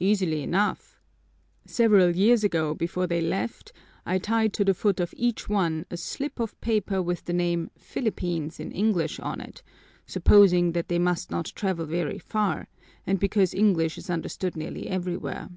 "Easily enough! Several years ago, before they left I tied to the foot of each one a slip of paper with the name 'Philippines' in English on it, supposing that they must not travel very far and because English is understood nearly everywhere.